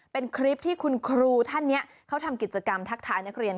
เป็นคลิปที่คุณครูท่านนี้เขาทำกิจกรรมทักทายนักเรียน